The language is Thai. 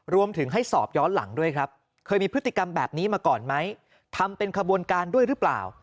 รวมถึงให้สอบย้อนหลังด้วยครับเคยมีพฤติกรรมแบบนี้มาก่อนไหมทำเป็นขบวนการด้วยหรือเปล่า